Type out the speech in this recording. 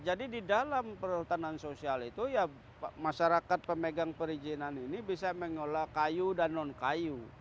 jadi di dalam perhutanan sosial itu ya masyarakat pemegang perizinan ini bisa mengelola kayu dan non kayu